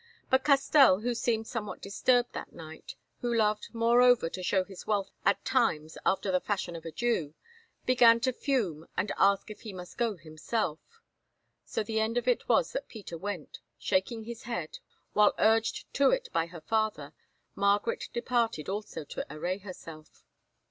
But Castell, who seemed somewhat disturbed that night, who loved, moreover, to show his wealth at times after the fashion of a Jew, began to fume and ask if he must go himself. So the end of it was that Peter went, shaking his head, while, urged to it by her father, Margaret departed also to array herself.